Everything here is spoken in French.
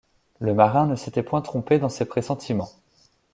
Le marin ne s’était point trompé dans ses pressentiments